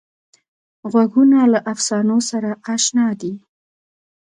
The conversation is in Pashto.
غوږونه له افسانو سره اشنا دي